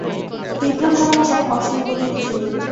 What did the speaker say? তীব্র ভালোবাসায় অশ্লীল বলে কিছু নেই।